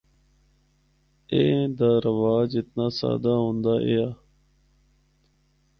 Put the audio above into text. ایہہ دا رواج اتنا سادہ ہوندا ایہا۔